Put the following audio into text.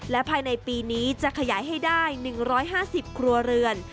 และภายในปีนี้จะขยายให้ได้๑๕๐ครัวเรือน